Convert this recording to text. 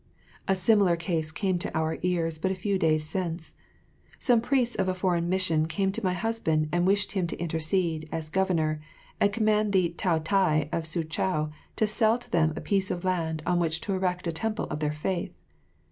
A similar case came to our ears but a few days since. Some priests of a foreign mission came to my husband and wished him to intercede, as Governor, and command the Taotai of Soochow to sell to them a piece of land on which to erect a temple of their faith.